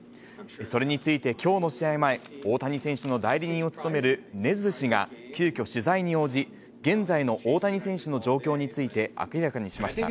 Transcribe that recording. それについて、きょうの試合前、大谷選手の代理人を務めるネズ氏が急きょ、取材に応じ、現在の大谷選手の状況について明らかにしました。